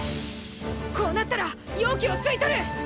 こうなったら妖気を吸い取る！！